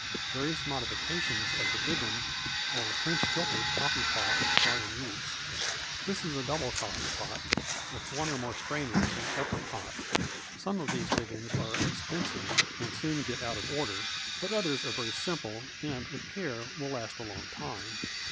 Various modifications of the biggin, or French filter coffee pot, are in use. This is a double coffee pot, with one or more strainers in the upper pot. Some of these biggins are expensive, and soon get out of order; but others are very simple, and, with care, will last a long time.